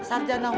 kota dewan lagi